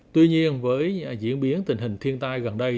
tuy nhiên với diễn biến tình hình thiên tai gần đây